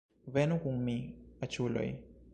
Venu kun mi, aĉuloj